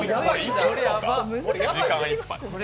時間いっぱい。